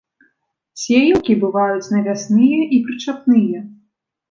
Сеялкі бываюць навясныя і прычапныя.